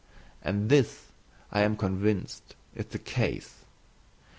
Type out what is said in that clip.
And this, I am convinced, is the case.